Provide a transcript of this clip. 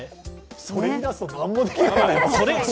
それを言い出すと何もできない！